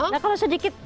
nah kalau sedikit